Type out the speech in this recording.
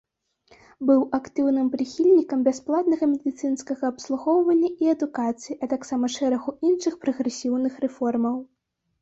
Быў актыўным прыхільнікам бясплатнага медыцынскага абслугоўвання і адукацыі, а таксама шэрагу іншых прагрэсіўных рэформаў.